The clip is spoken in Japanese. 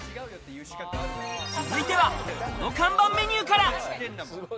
続いては、この看板メニューから。